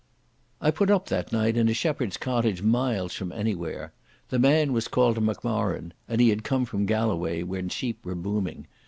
I put up that night in a shepherd's cottage miles from anywhere. The man was called Macmorran, and he had come from Galloway when sheep were booming.